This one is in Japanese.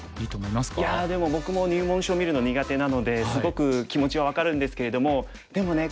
いやでも僕も入門書見るの苦手なのですごく気持ちは分かるんですけれどもでもね